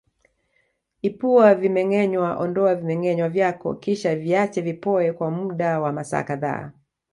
Ipua vimengenywa ondoa vimengenywa vyako kisha viache vipoe kwa muda wa masaa kadhaa